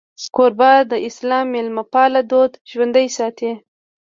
کوربه د اسلام میلمهپال دود ژوندی ساتي.